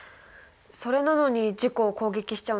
それなのに自己を攻撃しちゃうんですか？